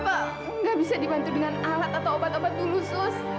apa nggak bisa dibantu dengan alat atau obat obat dulu sus